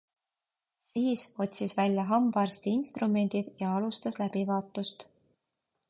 Siis otsis välja hambaarsti instrumendid ja alustas läbivaatust.